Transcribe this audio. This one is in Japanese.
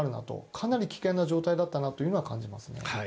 かなり危険な状態だったなというのは感じますね。